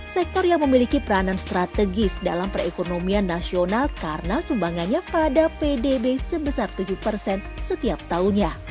sektor yang memiliki peranan strategis dalam perekonomian nasional karena sumbangannya pada pdb sebesar tujuh persen setiap tahunnya